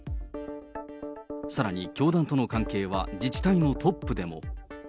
さらに教団との関係は自治体のトップでも。